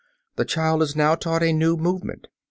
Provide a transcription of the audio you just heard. The child is now taught a new movement.